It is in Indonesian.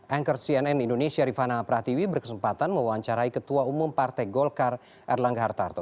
anchor cnn indonesia rifana pratiwi berkesempatan mewawancarai ketua umum partai golkar erlangga hartarto